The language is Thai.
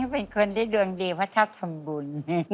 เป็นคนที่ดวงดีเพราะชอบทำบุญ